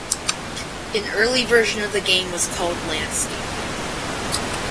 An early version of the game was called "Landscape".